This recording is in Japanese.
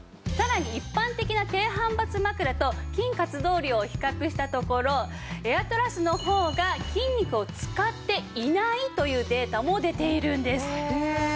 さらに一般的な低反発枕と筋活動量を比較したところエアトラスの方が筋肉を使っていないというデータも出ているんです。